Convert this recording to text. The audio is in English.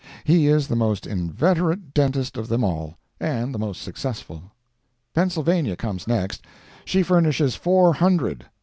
He is the most inveterate dentist of them all, and the most successful. Pennsylvania comes next. She furnishes four hundred.